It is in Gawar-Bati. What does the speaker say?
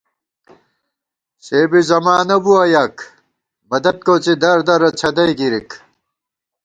سے بی زمانہ بُوَہ یَک ، مدد کوڅی دردرہ څھدَئی گِرِک